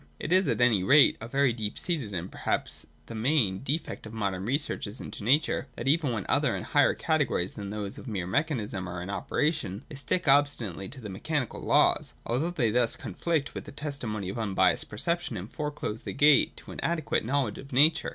It is at any rate a very deep seated, and perhaps the main, defect of modern researches into nature, that, even where other and higher categories than those of mere mechanism are in operation, they still stick obstinately to the mechanical laws ; although they thus conflict with the testimony of unbiassed perception, and foreclose the gate to an adequate knowledge of nature.